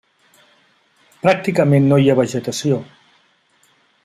Pràcticament no hi ha vegetació.